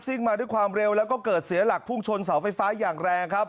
มาด้วยความเร็วแล้วก็เกิดเสียหลักพุ่งชนเสาไฟฟ้าอย่างแรงครับ